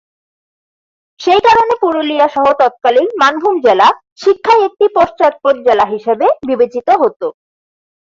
সেই কারণে পুরুলিয়া সহ তৎকালীন মানভূম জেলা শিক্ষায় একটি পশ্চাৎপদ জেলা হিসাবে বিবেচিত হত।